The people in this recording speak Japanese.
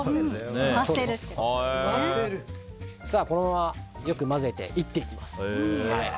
これをこのままよく混ぜて、いっていきます。